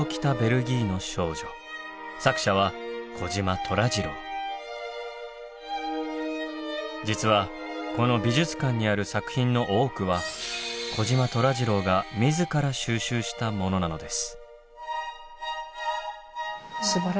作者は実はこの美術館にある作品の多くは児島虎次郎が自ら収集したものなのです。